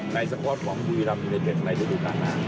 ในสกอร์ดของดูยรัมยูเจ็ตในศูนย์ก่อนหน้า